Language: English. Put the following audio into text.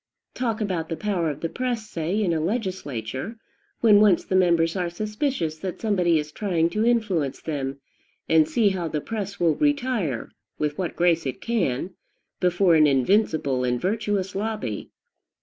Talk about the power of the press, say, in a legislature, when once the members are suspicious that somebody is trying to influence them, and see how the press will retire, with what grace it can, before an invincible and virtuous lobby.